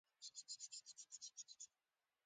ملا صاحب د لږو پښتنو په ملاتړ ژوندی دی